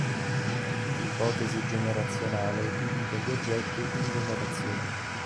L'ipotesi generazionale divide gli oggetti in generazioni.